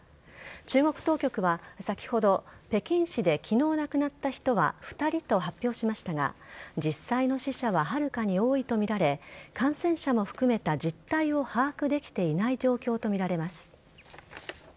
中国当局は、先ほど、北京市できのう亡くなった人は２人と発表しましたが、実際の死者ははるかに多いと見られ、感染者も含めた実態を把握できていない状況と見られます。